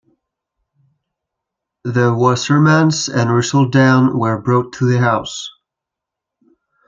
The Wassermans and Russell Dann were brought to the house.